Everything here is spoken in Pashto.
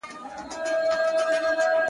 ژه دې اور لکه سکروټې د قلم سه گراني~